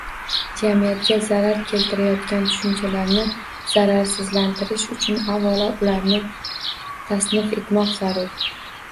Jamiyatga zarar keltirayotgan tushunchalarni zararsizlantirish uchun avvalo ularni tasnif etmoq zarur.